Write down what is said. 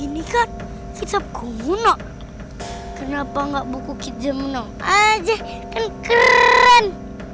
ini kan kitab komuna kenapa enggak buku kidzum nom aja kan keren